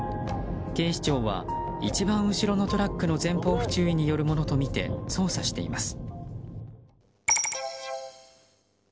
警視庁は、一番後ろのトラックの前方不注意によるものとみて捜査しています。